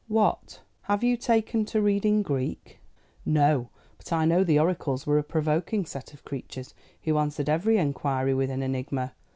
"What, have you taken to reading Greek?" "No; but I know the oracles were a provoking set of creatures who answered every inquiry with an enigma.